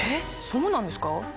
そうなんですか？